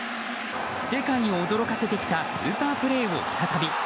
世界を驚かせてきたスーパープレーを再び。